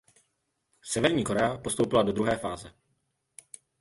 Severní Korea postoupila do druhé fáze.